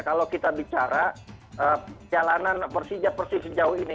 kalau kita bicara jalanan persija persib sejauh ini